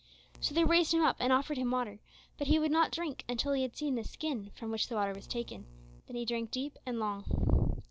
So they raised him up and offered him water, but he would not drink until he had seen the skin from which the water was taken; then he drank deep and long.